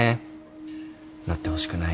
なってほしくないね。